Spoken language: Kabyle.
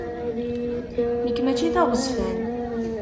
Nekk mačči d aɣezzfan.